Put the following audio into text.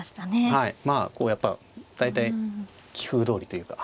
はいまあこうやっぱ大体棋風どおりというか。